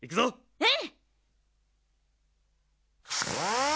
うん！